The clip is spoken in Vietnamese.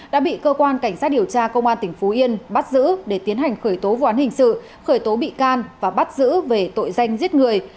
đã bị cơ quan cảnh sát điều tra công an tỉnh phú yên bắt giữ để tiến hành khởi tố vụ án hình sự khởi tố bị can và bắt giữ về tội danh giết người